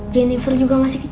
jennifer juga masih kecil